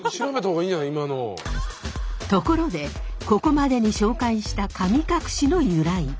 ところでここまでに紹介した神隠の由来。